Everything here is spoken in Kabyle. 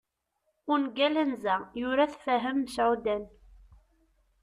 ungal anza, yura-t Fahim Meɛudan